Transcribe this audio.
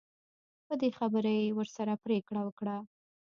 په دې خبره یې ورسره پرېکړه وکړه.